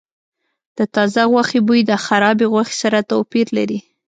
د تازه غوښې بوی د خرابې غوښې سره توپیر لري.